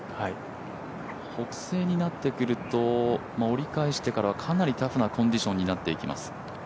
北西になってくると、折り返してからかなりタフなコンディションになっていきます。